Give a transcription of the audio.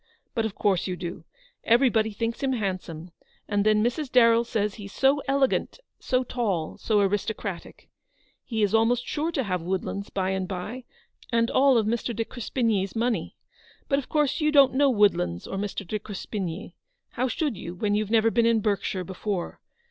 " But of course you do ; everybody thinks him handsome; and then Mrs. Darrell says he's so elegant, so tall, so aristocratic. He is almost sure to have Woodlands by and by, and all Mr. de Crespigny's money. But of course you don't know 'Woodlands or Mr. de Crespigny. How should you, when you've never been in Berkshire before